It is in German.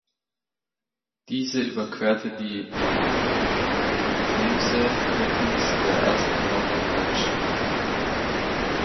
Diese überquerte die Themse mittels der ersten London Bridge.